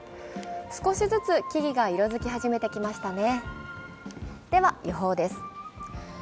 少しずつ木々が色づき始めてきましたね。